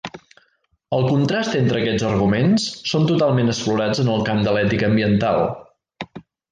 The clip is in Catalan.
El contrast entre aquests arguments són totalment explorats en el camp de l'ètica ambiental.